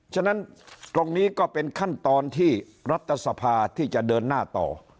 ฉะนั้นตรงนี้ก็เป็นขั้นตอนที่รัฐสภาที่จะเดินหน้าต่อ